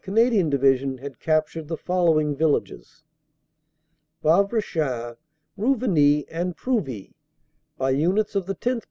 Canadian Division had captured the following villages: Wavrechain, Rouvignies and Prouvy, by units of the 10th.